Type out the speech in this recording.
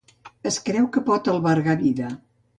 Es creu que pot albergar vida.